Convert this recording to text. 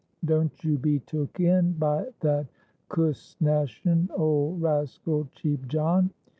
Don't you be took in by that cusnashun old rascal Cheap John.